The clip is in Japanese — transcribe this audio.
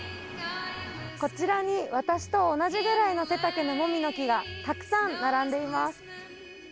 こちらに、私と同じぐらいの背丈のもみの木が、たくさん並んでいます。